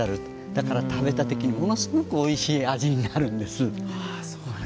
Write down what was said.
だから食べた時ものすごくおいしい味になるんです。